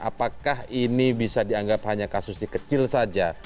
apakah ini bisa dianggap hanya kasus yang kecil saja